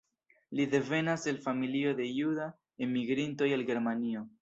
Li devenas el familio de juda enmigrintoj el Germanio.